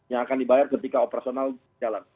yang akan dibayar ketika operasional jalan